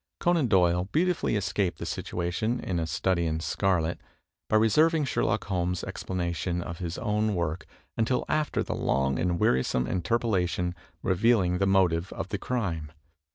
Conan Doyle beautifully escaped this situation in "A Study in Scarlet," by reserving Sherlock Holmes' explanation of his own work until after the long and wearisome interpola tion revealing the motive of the crime.